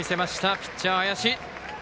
ピッチャー、林。